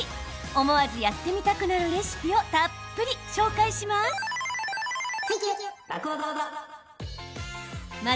思わずやってみたくなるレシピをたっぷり紹介します。